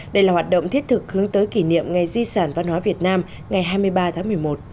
đây là hoạt động thiết thực hướng tới kỷ niệm ngày di sản văn hóa việt nam ngày hai mươi ba tháng một mươi một